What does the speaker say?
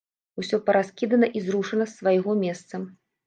Усё параскідана і зрушана з свайго месца.